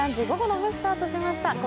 午後の部スタートしました。